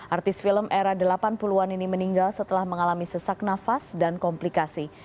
artis film era delapan puluh an ini meninggal setelah mengalami sesak nafas dan komplikasi